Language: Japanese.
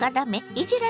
いじら